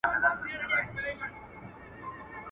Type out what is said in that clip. o د خرې څټه ورکه شه، د ښځي گټه ورکه شه.